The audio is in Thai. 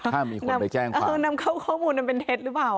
ถ้ามีคนไปแจ้งความเออนำเข้าข้อมูลอันเป็นเท็จหรือเปล่า